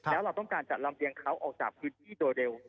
แล้วเราต้องการจะลำเรียงเขาออกจากพื้นที่โดยเร็ว